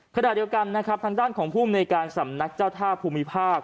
ขณะเดียวกันนะครับทางด้านของภูมิในการสำนักเจ้าท่าภูมิภาค